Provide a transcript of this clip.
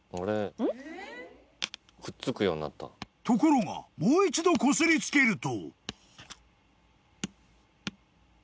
［ところがもう一度こすりつけると］